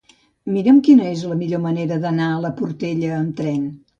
Mira'm quina és la millor manera d'anar a la Portella amb tren.